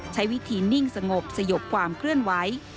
ใช้วิธีนิ่งสงบสยบความเคลื่อนไหว